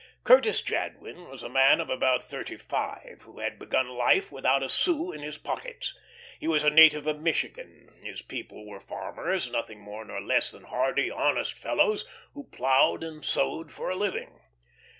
Curtis Jadwin was a man about thirty five, who had begun life without a sou in his pockets. He was a native of Michigan. His people were farmers, nothing more nor less than hardy, honest fellows, who ploughed and sowed for a living.